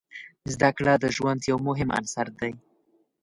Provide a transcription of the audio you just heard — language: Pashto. زده کړه د ژوند یو مهم عنصر دی.